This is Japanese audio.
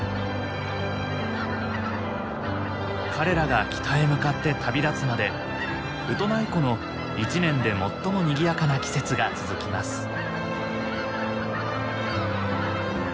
彼らが北へ向かって旅立つまでウトナイ湖の一年で最もにぎやかな季節が続きます。